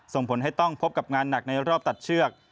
ส่งผลให้ต้องพบกับงานหนักในรอบตัดเชือก